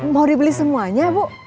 mau dibeli semuanya ibu